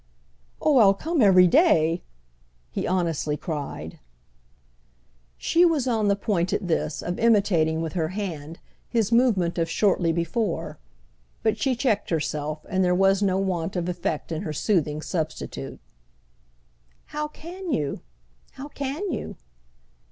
"Oh I'll come every day!" he honestly cried. She was on the point, at this, of imitating with her hand his movement of shortly before; but she checked herself, and there was no want of effect in her soothing substitute. "How can you? How can you?"